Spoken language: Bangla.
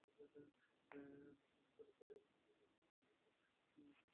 মেঘনা, শীতলক্ষ্যা, আড়িয়াল খাঁ ও পুরাতন ব্রহ্মপুত্র নদ তীর বিধৌত জেলা নরসিংদী।